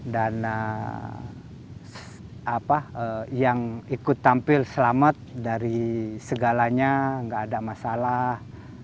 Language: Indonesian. dan yang ikut tampil selamat dari segalanya gak ada masalah